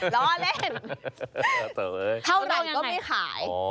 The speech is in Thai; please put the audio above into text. ล้อเล่นเท่าไหร่ก็ไม่ขาย